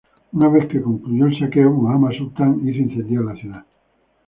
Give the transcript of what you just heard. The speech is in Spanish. Una vez que concluyó el saqueo, Muhammad Sultan hizo incendiar la ciudad.